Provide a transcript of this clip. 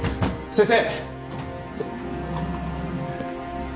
先生！